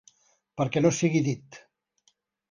Perquè no sigui dit.